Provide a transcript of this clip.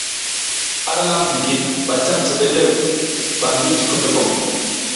Ara lam vigid ba cam cebelew ba ngi ji kotokom.